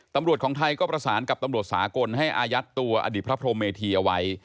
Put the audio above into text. ของไทยก็ประสานกับตำรวจสากลให้อายัดตัวอดีตพระพรมเมธีเอาไว้